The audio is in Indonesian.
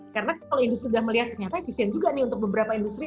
karena kalau industri sudah melihatnya efisien juga nih untuk beberapa industri